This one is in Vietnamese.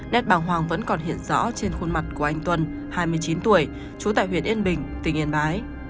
nét bà hoàng vẫn còn hiện rõ trên khuôn mặt của anh tuân hai mươi chín tuổi trú tại huyện yên bình tỉnh yên bái